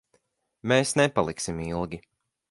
Mēs nepaliksim ilgi.